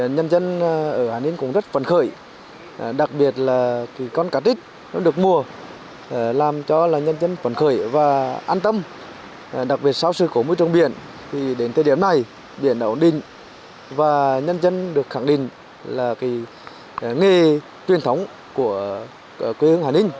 nhân dân được khẳng định là nghề tuyên thống của quê hương hải ninh